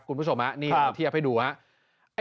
คุณผู้ชมนี่เทียบให้ดูครับ